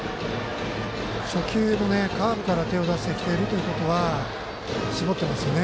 初球のカーブから手を出してきているということは絞っていますよね